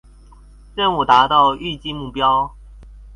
任務達到預計目標